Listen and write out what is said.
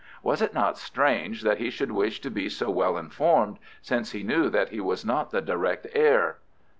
Was it not strange that he should wish to be so well informed, since he knew that he was not the direct heir?"